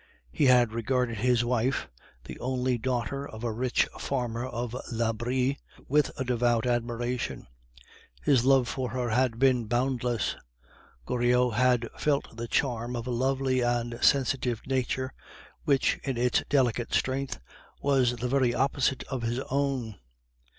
He had regarded his wife, the only daughter of a rich farmer of La Brie, with a devout admiration; his love for her had been boundless. Goriot had felt the charm of a lovely and sensitive nature, which, in its delicate strength, was the very opposite of his own.